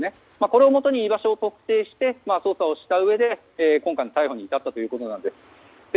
これをもとに居場所を特定して捜査をしたうえで今回の逮捕に至ったということです。